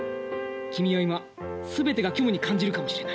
君は今全てが虚無に感じるかもしれない。